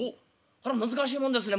こりゃ難しいもんですね。